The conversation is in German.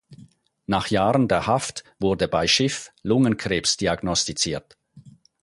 Nach Jahren der Haft wurde bei Schiff Lungenkrebs diagnostiziert.